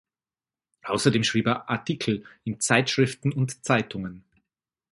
Außerdem schrieb er Artikel in Zeitschriften und Zeitungen.